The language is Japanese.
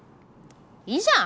いいじゃん！